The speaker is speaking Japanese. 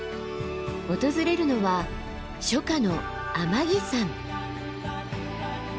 訪れるのは初夏の天城山。